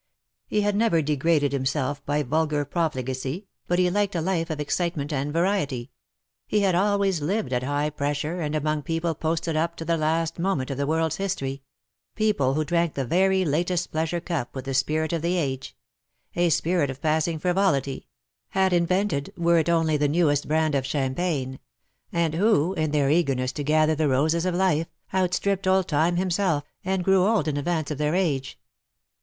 He had never degraded himself by vulgar profligacy. THE LOVELACE OF HIS DAY. 37 but he liked a life of excitement and variety ; he had always lived at high pressure, and among people posted up to the last moment of the world^s history — people who drank the very latest pleasure cup which the Spirit of the Age — a Spirit of passing frivolity — had invented, were it only the newest brand of champagne; and who, in their eagerness to gather the roses of life, outstripped old Time himself, and grew old in advance of their age.